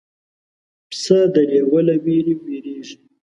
پسه د لیوه له وېرې وېرېږي.